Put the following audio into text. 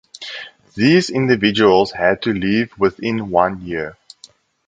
These individuals had to leave within one year.